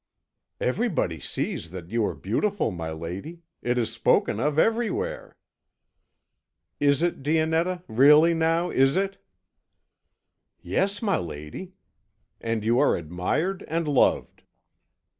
"Everybody sees that you are beautiful, my lady; it is spoken of everywhere." "Is it, Dionetta, really, now, is it?" "Yes, my lady. And you are admired and loved."